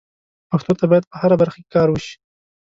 پښتو ته باید په هره برخه کې کار وشي.